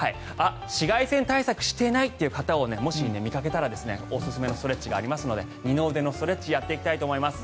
紫外線対策していないという方をもし見かけたらおすすめのストレッチがありますので二の腕のストレッチをやっていきたいと思います。